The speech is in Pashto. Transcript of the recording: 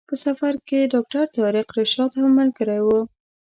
په سفر کې ډاکټر طارق رشاد هم ملګری و.